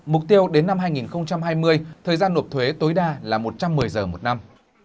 mục tiêu đến năm hai nghìn hai mươi thời gian nộp thuế tối đa là một trăm một mươi giờ một năm